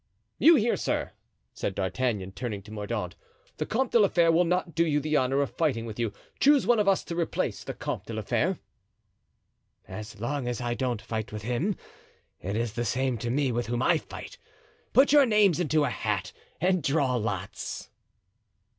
"You hear, sir," said D'Artagnan, turning to Mordaunt. "The Comte de la Fere will not do you the honor of fighting with you. Choose one of us to replace the Comte de la Fere." "As long as I don't fight with him it is the same to me with whom I fight. Put your names into a hat and draw lots."